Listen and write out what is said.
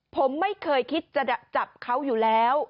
ผมไม่เคยคิดจะจับเขาอยู่แล้ว